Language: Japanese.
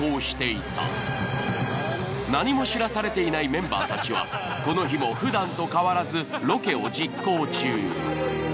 何も知らされていないメンバーたちはこの日もふだんと変わらずロケを実行中。